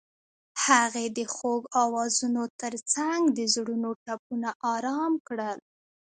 هغې د خوږ اوازونو ترڅنګ د زړونو ټپونه آرام کړل.